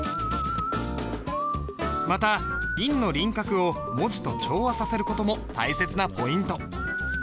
また印の輪郭を文字と調和させる事も大切なポイント。